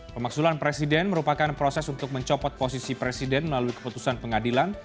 pemaksulan presiden merupakan proses untuk mencopot posisi presiden melalui keputusan pengadilan